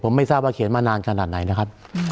ผมไม่ทราบว่าเขียนมานานขนาดไหนนะครับ